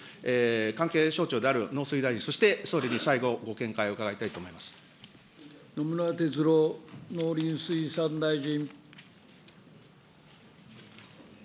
関係省庁である農水大臣、そして総理に最後、ご見解を伺いたいと野村哲郎農林水産大臣。